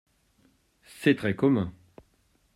C'est très commun !